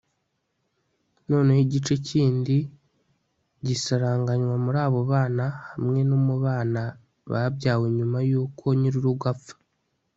noneho igice kindi () gisaranganywa muri abo bana hamwe no mu bana babyawe nyuma y'uko nyir'urugo apfa